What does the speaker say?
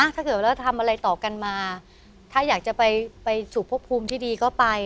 ถ้าเกิดว่าเราทำอะไรต่อกันมาถ้าอยากจะไปสู่พบภูมิที่ดีก็ไป